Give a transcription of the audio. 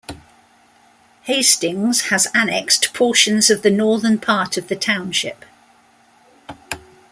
Hastings has annexed portions of the northern part of the township.